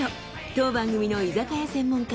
当番組の居酒屋専門家